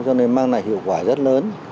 cho nên mang lại hiệu quả rất lớn